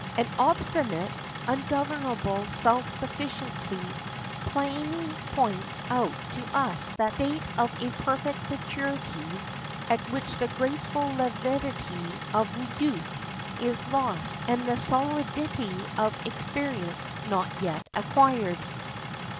An obstinate, ungovernable self sufficiency plainly points out to us that state of imperfect maturity at which the graceful levity of youth is lost and the solidity of experience not yet acquired.